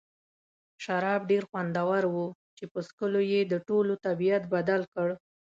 شراب ډېر خوندور وو چې په څښلو یې د ټولو طبیعت بدل کړ.